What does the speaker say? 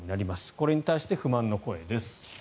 これに対して不満の声です。